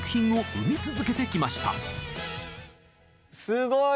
すごい！